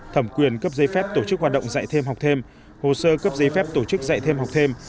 thẩm quyền cấp giấy phép tổ chức hoạt động dạy thêm học thêm hồ sơ cấp giấy phép tổ chức dạy thêm học thêm